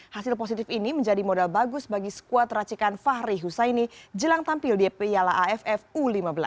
hasil positif ini menjadi modal bagus bagi skuad racikan fahri husaini jelang tampil di piala aff u lima belas